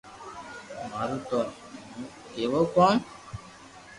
مارو ٿو مون ڪيوہ ڪوم